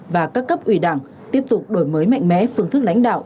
và các cấp ủy đảng tiếp tục đổi mới mạnh mẽ phương thức lãnh đạo